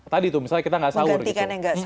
tadi tuh misalnya kita nggak saur gitu